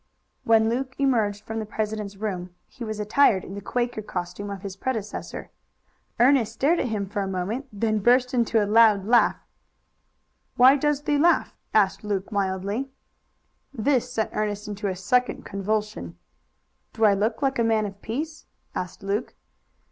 When Luke emerged from the president's room he was attired in the Quaker costume of his predecessor. Ernest stared at him for a moment, then burst into a loud laugh. "Why does thee laugh?" asked Luke mildly. This sent Ernest into a second convulsion. "Do I look like a man of peace?" asked Luke.